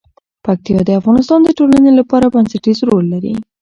پکتیا د افغانستان د ټولنې لپاره بنسټيز رول لري.